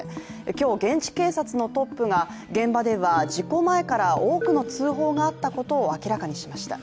今日、現地警察のトップが、現場では事故前から多くの通報があったことを明らかにしました。